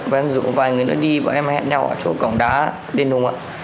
bọn em dụ vài người nữa đi bọn em hẹn nhau ở chỗ cổng đá đền đùng ạ